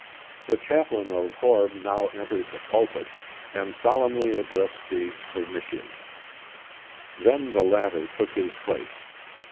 The chaplain of Horb now entered the pulpit, and solemnly addressed the "permitiant." Then the latter took his place.